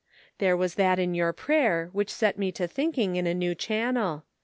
There was that in your prayer which set me to thinking in a new channel.